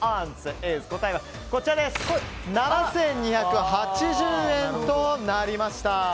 答えは、７２８０円となりました。